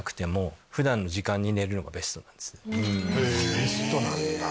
ベストなんだ。